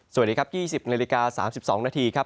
สวัสดีครับ๒๐นาฬิกา๓๒นาทีครับ